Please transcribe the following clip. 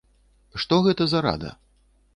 Што гэта за рада?